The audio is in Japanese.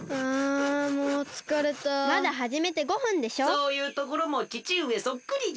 そういうところもちちうえそっくりじゃ。